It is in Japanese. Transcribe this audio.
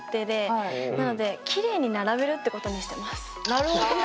なるほどね。